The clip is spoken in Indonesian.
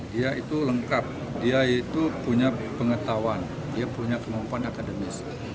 dia itu lengkap dia itu punya pengetahuan dia punya kemampuan akademis